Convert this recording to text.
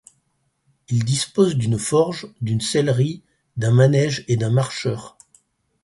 Il dispose d'une forge, d'une sellerie, d'un manège et d'un marcheur.